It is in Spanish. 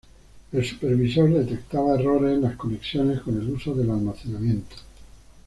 El supervisor detectaba errores en las conexiones con el uso del almacenamiento.